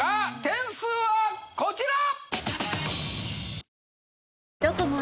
点数はこちら！